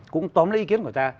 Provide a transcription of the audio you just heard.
cũng tóm lấy ý kiến của ta